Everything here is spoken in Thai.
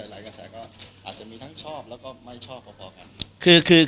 น่าจะเป็นเรื่องของคนนะครับสมมุติว่าตอนนี้หลายกระแสก็อาจจะมีทั้งชอบแล้วก็ไม่ชอบพอกัน